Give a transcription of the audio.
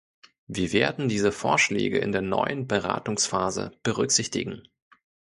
Wir werden diese Vorschläge in der neuen Beratungsphase berücksichtigen.